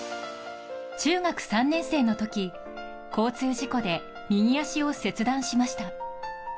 中学３年生のとき交通事故で右足を切断しました。